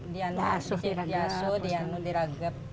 diaso di anu di ragap